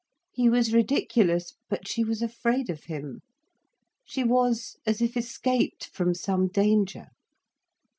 He was ridiculous, but she was afraid of him. She was as if escaped from some danger.